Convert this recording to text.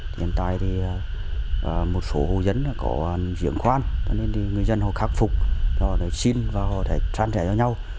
và một số hồ dân có diễn khoan cho nên thì người dân họ khắc phục họ xin và họ sẽ trang trẻ cho nhau